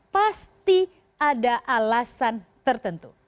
pasti ada alasan tertentu